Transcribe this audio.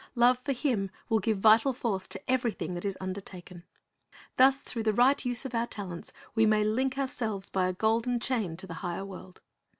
Love for Him will give vital force to everything that is undertaken. Thus through the right use of our talents, we may link ourselves by a golden chain to the higher world.